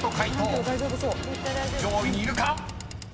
［上位にいるか⁉］